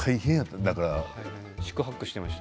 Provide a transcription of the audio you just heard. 四苦八苦していました。